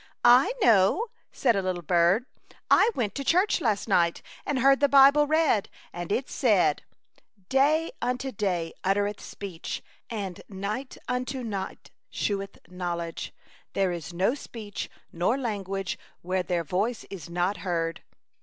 •" I know," said a little bird. " I went to church last night and heard the Bible read, and it said, ' Day unto 74 ^ Chautauqua Idyl. day uttereth speech, and night unto night sheweth knowledge. There is no speech nor language where their voice is not heard.'